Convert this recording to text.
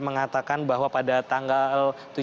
mengatakan bahwa pada tanggal